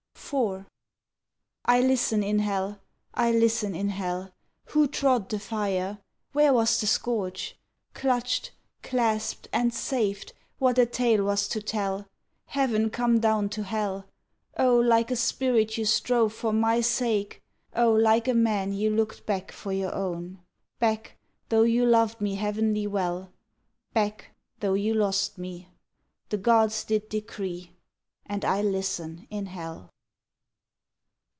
IV. I listen in hell! I listen in hell! Who trod the fire? Where was the scorch? Clutched, clasped, and saved, what a tale was to tell Heaven come down to hell! Oh, like a spirit you strove for my sake! Oh, like a man you looked back for your own! Back, though you loved me heavenly well, Back, though you lost me. The gods did decree, And I listen in hell.